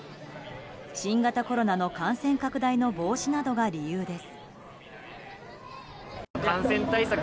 新型コロナの感染拡大の防止などが理由です。